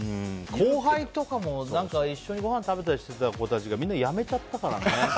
後輩とかも一緒にごはん食べたりしてた子たちがみんなやめちゃったからね。